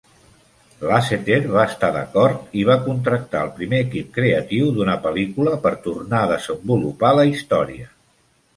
Lasseter va estar d'acord i va contractar el primer equip creatiu d'una pel·lícula per tornar a desenvolupar la història.